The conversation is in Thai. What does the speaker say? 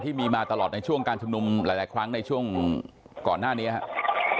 ที่มีมาตลอดในช่วงการชุมนุมหลายครั้งในช่วงก่อนหน้านี้ครับ